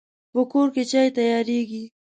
په کور کې چای تیاریږي